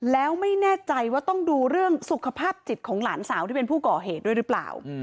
แล้วไม่แน่ใจว่าต้องดูเรื่องสุขภาพจิตของหลานสาวที่เป็นผู้ก่อเหตุด้วยหรือเปล่า